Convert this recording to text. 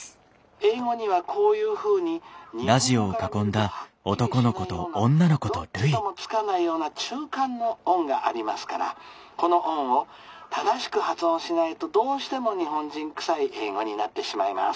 「英語にはこういうふうに日本語から見るとはっきりしないようなどっちともつかないような中間の音がありますからこの音を正しく発音しないとどうしても日本人くさい英語になってしまいます。